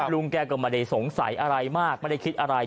ลุงแกก็ไม่ได้สงสัยอะไรมากไม่ได้คิดอะไร